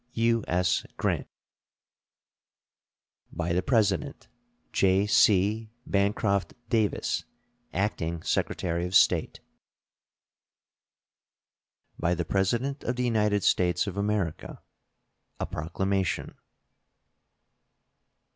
U.S. GRANT. By the President: J.C. BANCROFT DAVIS, Acting Secretary of State. BY THE PRESIDENT OF THE UNITED STATES OF AMERICA. A PROCLAMATION.